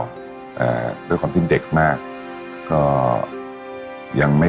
แต่ตอนเด็กก็รู้ว่าคนนี้คือพระเจ้าอยู่บัวของเรา